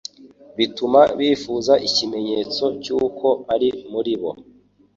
bituma bifuza ikimenyetso cy’uko ari muri bo.